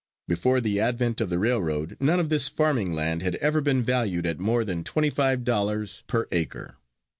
Before the advent of the railroad none of this farming land had ever been valued at more than twenty five dollars per acre.